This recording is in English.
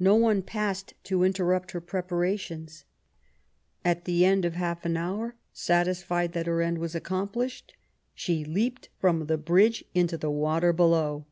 No one passed to interrupt her preparations. At the end of half an hour, satisfied that her end was accomplished, she leaped from the bridge into the water below.